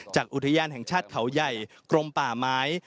อุทยานแห่งชาติเขาใหญ่กรมป่าไม้